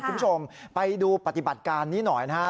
คุณผู้ชมไปดูปฏิบัติการนี้หน่อยนะครับ